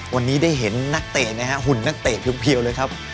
วันนี้ได้เห็นนักเตะนะฮะหุ่นนักเตะเพียวเลยครับ